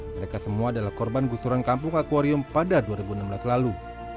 mereka semua adalah korban gusuran kampung akwarium pada dua ribu enam belas lalu